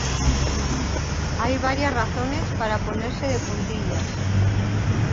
Hay varias razones para ponerse de puntillas.